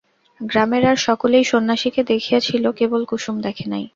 গ্রামের আর সকলেই সন্ন্যাসীকে দেখিয়াছিল, কেবল কুসুম দেখে নাই।